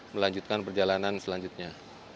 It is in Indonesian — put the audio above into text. melanjutkan perjalanan selanjutnya